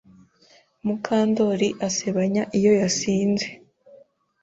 Mukandori asebanya iyo yasinze.